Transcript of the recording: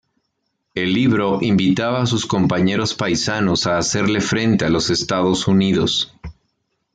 El libro invitaba a sus compañeros paisanos a hacerle frente a los Estados Unidos.